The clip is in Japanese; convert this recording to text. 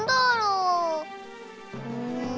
うん。